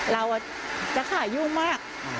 เราจะขายุ่งมาก